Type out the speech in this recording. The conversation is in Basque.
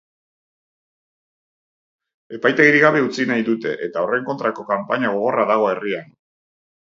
Epaitegirik gabe utzi nahi dute eta horren kontrako kanpaina gogorra dago herrian.